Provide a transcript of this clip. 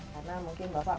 karena mungkin bapak